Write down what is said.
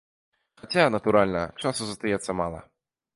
Хаця, натуральна, часу застаецца мала.